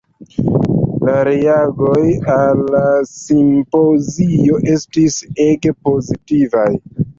La reagoj al la simpozio estis ege pozitivaj.